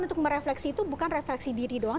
untuk merefleksi itu bukan refleksi diri doang